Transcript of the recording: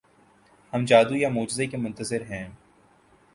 ہم جادو یا معجزے کے منتظر ہیں۔